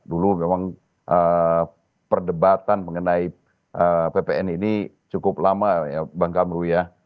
dulu memang perdebatan mengenai ppn ini cukup lama ya bang kamru ya